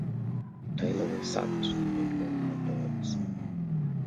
Taylor was sacked not long afterwards.